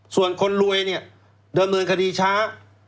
ส่วนคนรวยเนี่ยดำเนินคดีช้า